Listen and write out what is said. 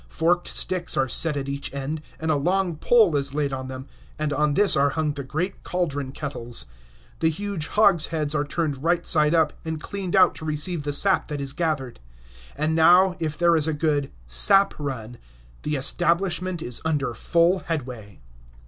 Forked sticks are set at each end, and a long pole is laid on them, and on this are hung the great caldron kettles. The huge hogsheads are turned right side up, and cleaned out to receive the sap that is gathered. And now, if there is a good "sap run," the establishment is under full headway.